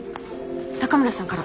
高村さんから。